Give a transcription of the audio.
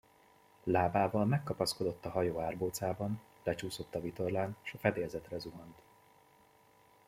Lábával megkapaszkodott a hajó árbocában, lecsúszott a vitorlán, s a fedélzetre zuhant.